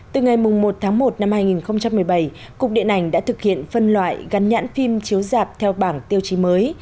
từ ngày một tháng một năm hai nghìn một mươi bảy cục điện ảnh đã thực hiện phân loại gắn nhãn phim chiếu dạp theo bảng tiêu chí mới